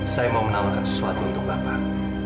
saya mau menawarkan sesuatu untuk bapak